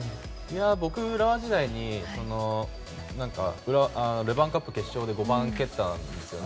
僕、浦和時代にルヴァンカップ決勝で５番を蹴ったんですね。